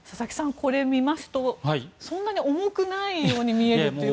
これを見ますとそんなに重くないように見えるというか。